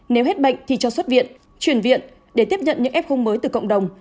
nếu hết bệnh thì cho xuất viện chuyển viện để tiếp nhận những f khung mới từ cộng đồng